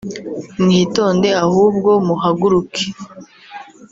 mwitonde ahubwo muhaguruke